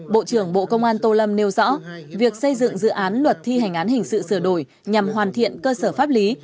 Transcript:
bộ trưởng bộ công an tô lâm nêu rõ việc xây dựng dự án luật thi hành án hình sự sửa đổi nhằm hoàn thiện cơ sở pháp lý